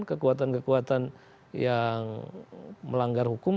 kekuatan kekuatan yang melanggar hukum